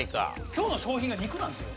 今日の賞品が肉なんですよ。